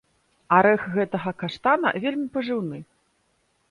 Арэх гэтага каштана вельмі пажыўны.